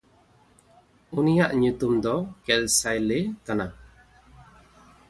ᱩᱱᱤᱭᱟᱜ ᱧᱩᱛᱩᱢ ᱫᱚ ᱠᱮᱞᱥᱟᱭᱼᱞᱮ ᱠᱟᱱᱟ᱾